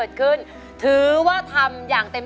ปานถือกับดักหักหัวใจ